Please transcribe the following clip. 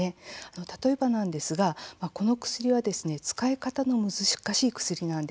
例えば、この薬は使い方の難しい薬なんです。